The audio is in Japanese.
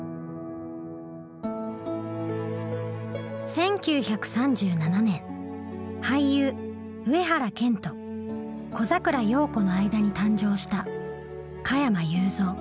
１９３７年俳優上原謙と小桜葉子の間に誕生した加山雄三。